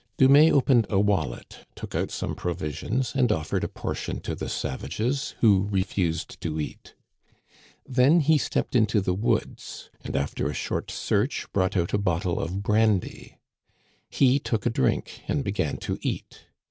Dumais opened a wallet, took out some provisions, and offered a portion to the savages, who refused to eat. Digitized by VjOOQIC A NIGHT AMONG THE SAVAGES. 183 Then he stepped into the woods, and after a short search brought out a bottle of brandy. He took a drink and began to eat.